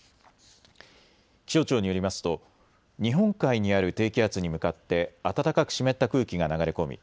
気象庁によりますと日本海にある低気圧に向かって暖かく湿った空気が流れ込み